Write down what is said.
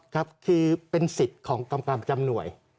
ครับคือเป็นสิทธิ์ของกรรมการประจำหน่วย